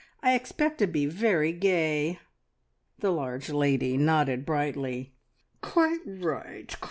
I expect to be very gay." The large lady nodded brightly. "Quite right!